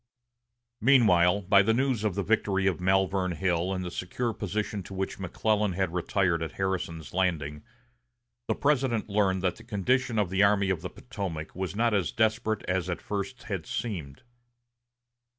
Meanwhile, by the news of the victory of Malvern Hill and the secure position to which McClellan had retired at Harrison's Landing, the President learned that the condition of the Army of the Potomac was not as desperate as at first had seemed.